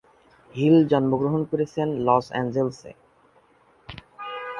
Hill জন্মগ্রহণ করেছেন লস অ্যাঞ্জেলেসে।